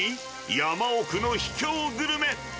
山奥の秘境グルメ。